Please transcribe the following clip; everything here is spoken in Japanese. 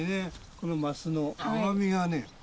このマスの甘みがね